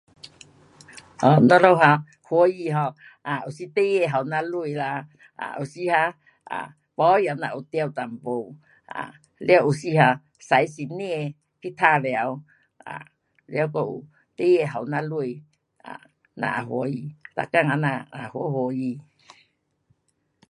哦，咱们 um 欢喜 um 啊有时孩儿给咱钱啦，啊，有时哈，啊，保养咱有得一点，啊，完，有时哈，驾新车去玩耍，啊，完还有，孩儿给咱钱，啊，咱也欢喜，每天这样，啊，欢欢喜。